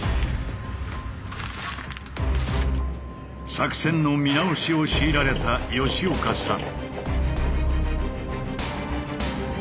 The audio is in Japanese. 作戦の見直しを強いられた吉岡さん。